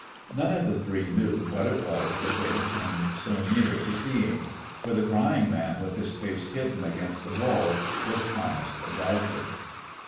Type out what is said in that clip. None of the three knew what it was that they had come so near to seeing; for the crying man with his face hidden against the wall was Thomas the Doubter.